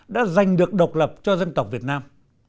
đã giành được độc lập cho dân tộc việt nam